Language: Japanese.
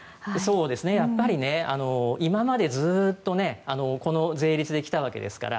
やっぱり今までずっとこの税率できたわけですから。